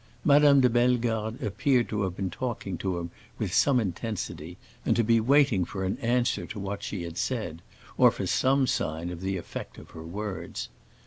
Madame de Bellegarde appeared to have been talking to him with some intensity and to be waiting for an answer to what she had said, or for some sign of the effect of her words.